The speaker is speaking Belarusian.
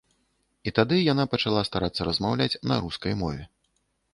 І тады яна пачала старацца размаўляць на рускай мове.